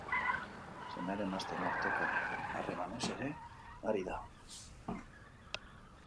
Senar emazteen arteko harremanez ere ari da.